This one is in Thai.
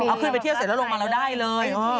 เอาขึ้นไปเที่ยวเสร็จแล้วลงมาเราได้เลย